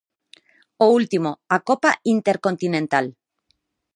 O último, a Copa Intercontinental.